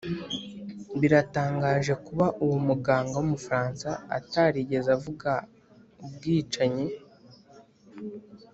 biratangaje kuba uwo muganga w'umufaransa atarigeze avuga ubwicanyi